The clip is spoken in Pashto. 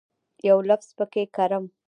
یو لفظ پکښې کرم